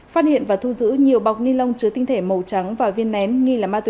phát hiện và thu giữ nhiều bọc ni lông chứa tinh thể màu trắng và viên nén